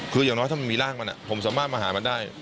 คืออย่างน้อยถ้ามันมีร่างมันผมสามารถมาหามันได้